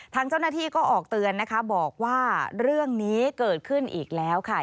ทางเจ้าหน้าที่ก็ออกเตือนนะคะบอกว่าเรื่องนี้เกิดขึ้นอีกแล้วค่ะ